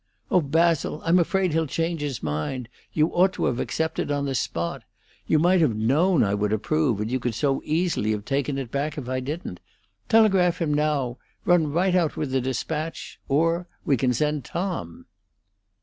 Oh, Basil, I'm afraid he'll change his mind! You ought to have accepted on the spot. You might have known I would approve, and you could so easily have taken it back if I didn't. Telegraph him now! Run right out with the despatch Or we can send Tom!"